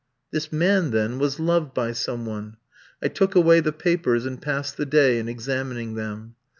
This man, then, was loved by some one! I took away the papers, and passed the day in examining them.